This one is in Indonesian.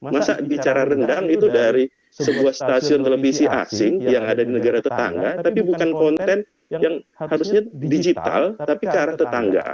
masa bicara rendang itu dari sebuah stasiun televisi asing yang ada di negara tetangga tapi bukan konten yang harusnya digital tapi ke arah tetangga